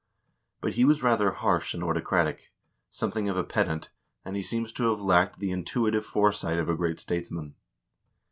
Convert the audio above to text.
But he was rather harsh and autocratic — something of a pedant, and he seems to have lacked the intuitive foresight of a great statesman.